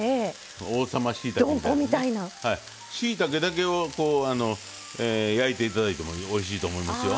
しいたけだけを焼いて頂いてもおいしいと思いますよ。